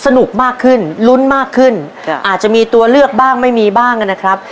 มากขึ้นลุ้นมากขึ้นอาจจะมีตัวเลือกบ้างไม่มีบ้างนะครับ